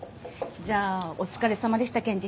じゃあお疲れさまでした検事。